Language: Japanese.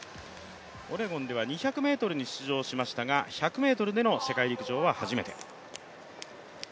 オレゴンでは２００ｍに出場しましたが１００ｍでの世界陸上は初めて。